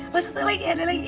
terus satu lagi ada lagi